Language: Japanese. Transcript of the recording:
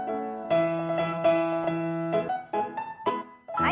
はい。